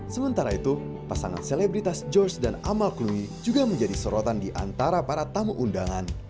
sementara itu pasangan selebritas george dan amal cloue juga menjadi sorotan di antara para tamu undangan